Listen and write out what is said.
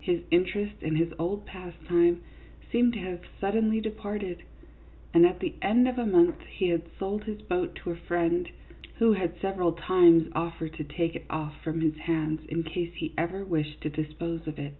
His interest in his old pastime seemed to have suddenly departed ; and at the end of a month he had sold his boat to a friend, who had several times offered to take it off from his hands in case he ever wished to dispose of it.